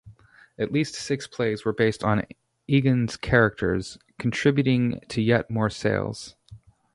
At least six plays were based on Egan's characters, contributing to yet more sales.